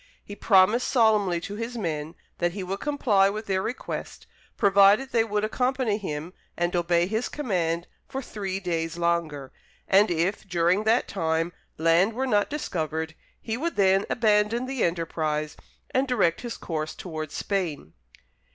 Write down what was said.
He promised solemnly to his men that he would comply with their request, provided they would accompany him and obey his command for three days longer, and if, during that time, land were not discovered, he would then abandon the enterprise, and direct his course towards Spain.